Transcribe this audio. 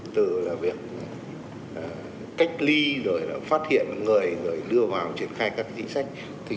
từ là việc cách ly rồi là phát hiện người rồi đưa vào triển khai các chính sách